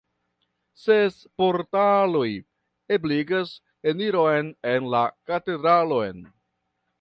Ses portaloj ebligas eniron en la katedralon.